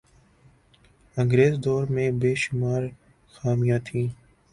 انگریز دور میں بے شمار خامیاں تھیں